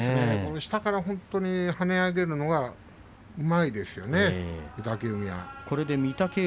下から跳ね上げるのがうまいですよね、御嶽海。